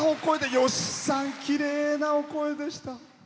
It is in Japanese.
吉さん、きれいなお声でした。